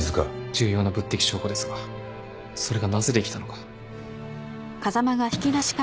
重要な物的証拠ですがそれがなぜできたのか。